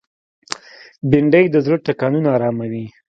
بېنډۍ د زړه ټکانونه آراموي